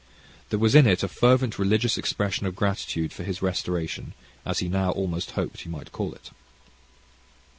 There was in it a fervent religious expression of gratitude for his restoration, as he now almost hoped he might call it.